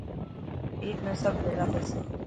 عيد ۾ سب بيڙا ٿيسان.